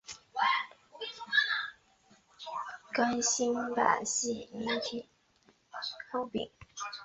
更新版细明体于字形正确方面都遭到诟病。